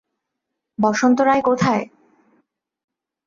বসন্ত রায় কোথায়?